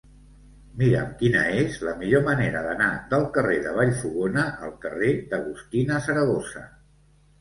Mira'm quina és la millor manera d'anar del carrer de Vallfogona al carrer d'Agustina Saragossa.